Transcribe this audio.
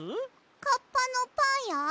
カッパのパンや？